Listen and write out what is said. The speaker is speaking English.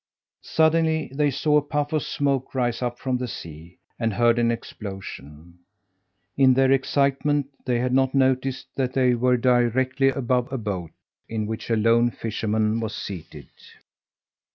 Suddenly they saw a puff of smoke rise up from the sea, and heard an explosion. In their excitement they had not noticed that they were directly above a boat in which a lone fisherman was seated.